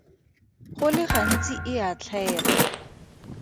Go le gantsi e a tlhaela.